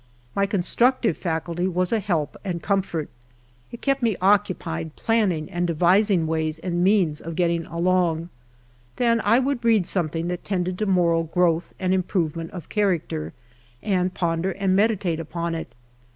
My constructive faculty was a help and comfort ; it kept me occupied planning and devising ways 2S HALF A DIME A DAY. and means of getting along. Then I would read something that tended to moral growth and improvement of character, and ponder and meditate upon it.